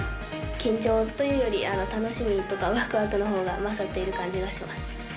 緊張というより楽しみとかワクワクのほうが勝っている感じがします。